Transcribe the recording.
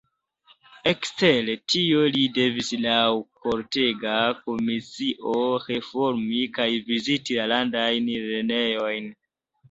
Ekster tio li devis laŭ kortega komisio reformi kaj viziti la landajn lernejojn.